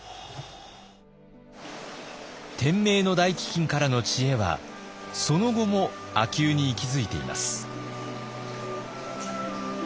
天明の大飢饉からの知恵はその後も秋保に息づいています。